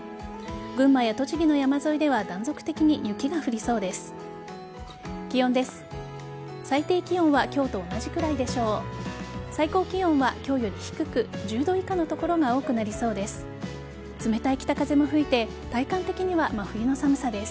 群馬や栃木の山沿いでは断続的に雪が降りそうです。